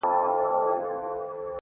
زه او شیخ یې را وتلي بس په تمه د کرم یو,